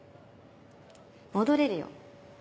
戻れるよ。